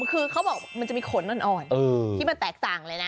คือเขาบอกมันจะมีขนอ่อนที่มันแตกต่างเลยนะ